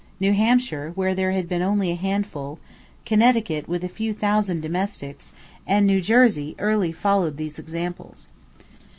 New Hampshire, where there had been only a handful, Connecticut with a few thousand domestics, and New Jersey early followed these examples.